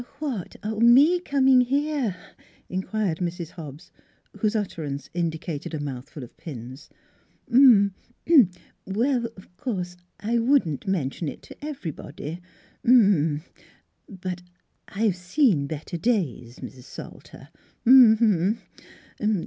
" "What me comin' here?" inquired Mrs. Hobbs, whose utterance indicated a mouthful of pins. " Well, 'course I wouldn't mention it t' everybody, m m m, but I've seen better days, Mis' Salter, m m m.